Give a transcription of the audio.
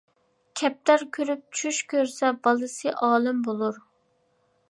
كەپتەر كۆرۈپ چۈش كۆرسە بالىسى ئالىم بولۇر.